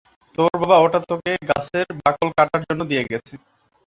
তোর বাবা ওটা তোকে গাছের বাকল কাটার জন্য দিয়ে গেছে।